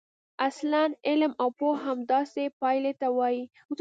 اصلاً علم او پوهه همداسې پایلې ته وايي.